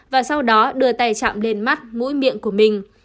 và sau đó đưa tay chạm lên mắt mũi miệng của mình